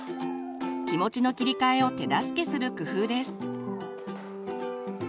気持ちの切り替えを手助けする工夫です。